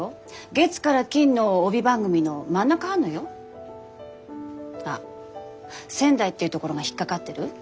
月から金の帯番組の真ん中張んのよ？あっ仙台っていうところが引っ掛かってる？